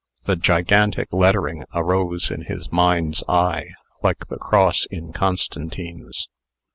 The gigantic lettering arose in his mind's eye, like the cross in Constantine's.